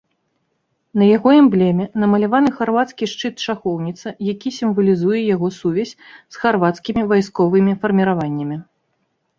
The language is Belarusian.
На яго эмблеме намаляваны харвацкі шчыт-шахоўніца, які сімвалізуе яго сувязь з харвацкімі вайсковымі фарміраваннямі.